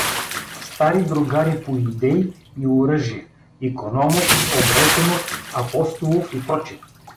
Стари другари по идеи и оръжие, Икономов, Обретенов, Апостолов и пр.